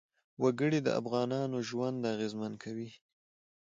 وګړي د افغانانو ژوند اغېزمن کوي.